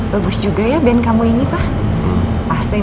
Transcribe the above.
lama nanti masuk campus yang kesini